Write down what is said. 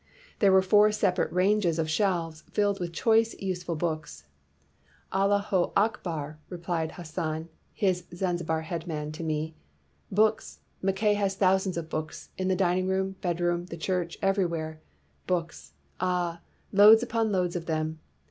" There were four separate ranges of shelves filled with choice, useful books. ' Allah ho Akbar,' replied Hassan, his Zan zibar head man, to me; 'books! Mackay has thousands of books, in the dining room, bed room, the church, everywhere. Books! ah, loads upon loads of them!'